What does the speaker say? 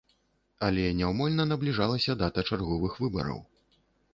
Але няўмольна набліжалася дата чарговых выбараў.